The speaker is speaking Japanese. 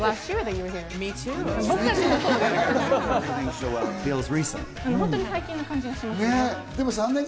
僕たちも本当に最近の感じがします。